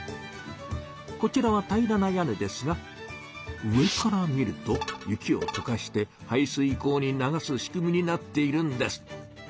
こちらは平らな屋根ですが上から見ると雪を溶かして排水溝に流す仕組みになっているんです。